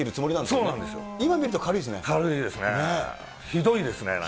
ひどいですね。